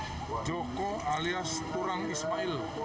yang kedua adalah joko alias turang ismail